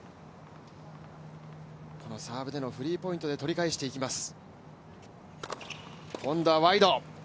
サーブでのフリーポイントで取り返していきます。